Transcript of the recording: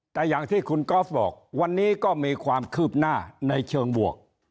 แต่อย่างที่คุณกอล์ฟบอกวันนี้ก็มีความคืบหน้าในเชิงบวก